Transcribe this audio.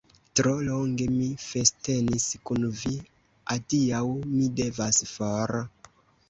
Tro longe mi festenis kun vi, adiaŭ, mi devas for!